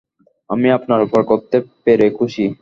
আমি আপনার উপকার করতে পেরে খুশি।